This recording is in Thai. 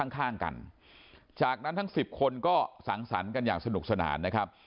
ข้างกันจากนั้นทั้ง๑๐คนก็สังสรรค์กันอย่างสนุกสนานนะครับ